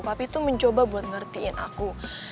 tapi tuh mencoba buat ngertiin aku